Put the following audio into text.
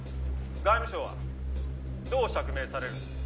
外務省はどう釈明されるんです？」